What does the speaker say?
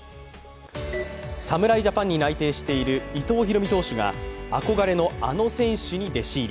侍ジャパンに内定している伊藤大海投手が、憧れのあの選手に弟子入り。